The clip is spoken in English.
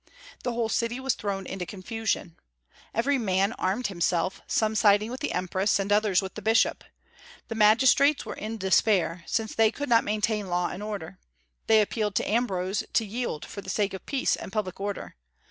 The whole city was thrown into confusion. Every man armed himself; some siding with the empress, and others with the bishop. The magistrates were in despair, since they could not maintain law and order. They appealed to Ambrose to yield for the sake of peace and public order.